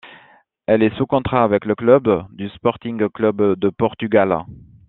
Elle est sous contrat avec le club du Sporting Clube de Portugal.